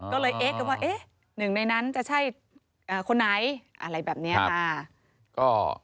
ก็เลยเอ๊ะกันว่าเอ๊ะหนึ่งในนั้นจะใช่คนไหนอะไรแบบนี้ค่ะ